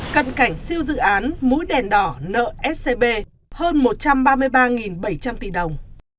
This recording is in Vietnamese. cận cảnh siêu dự án mũi đèn đỏ nợ scb hơn một trăm ba mươi ba bảy trăm linh tỷ đồng